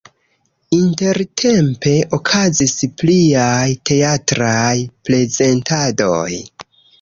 Intertempe okazis pliaj teatraj prezentadoj.